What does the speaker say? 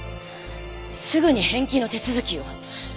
すぐに返金の手続きを。